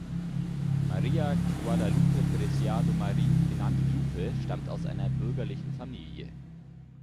María Guadalupe Preciado Marín, genannt "Lupe", stammte aus einer bürgerlichen Familie.